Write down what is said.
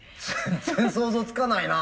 全然想像つかないな。